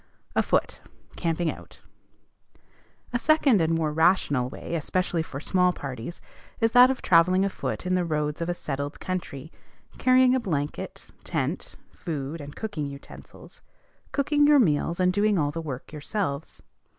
AFOOT. CAMPING OUT. A second and more rational way, especially for small parties, is that of travelling afoot in the roads of a settled country, carrying a blanket, tent, food, and cooking utensils; cooking your meals, and doing all the work yourselves.